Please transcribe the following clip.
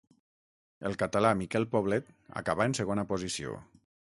El català Miquel Poblet acabà en segona posició.